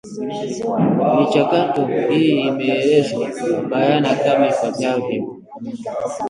Michakato hii imeelezwa bayana kama ifuatavyo